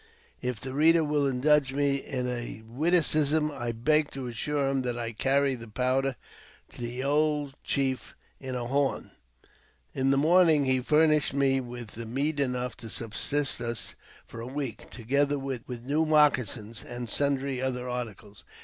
If the reader will indulge me in a witticism, I beg to assure him that I carried the powder to the old chief in a horn ! In the morning he furnished me with meat enough to subsist us for a week, together with new moccasins, and sundry other articles.